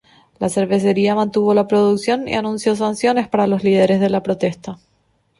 La cervecería mantuvo la producción y anunció sanciones para los líderes de la protesta.